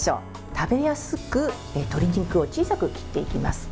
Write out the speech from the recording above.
食べやすく鶏肉を小さく切っていきます。